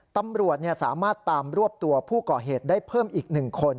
ตำรวจสามารถตามรวบตัวผู้ก่อเหตุได้เพิ่มอีก๑คน